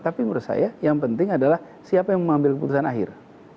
tapi menurut saya yang penting adalah siapa yang mengambil keputusan akhir